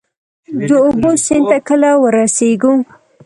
د اوبو، سیند ته کله ورسیږو؟